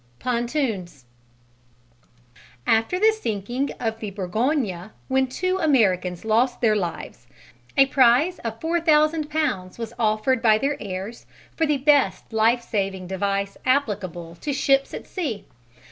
Pontoons After the sinking of the Bourgogne, when two Americans lost their lives, a prize of 4000 Pounds was offered by their heirs for the best life saving device applicable to ships at sea.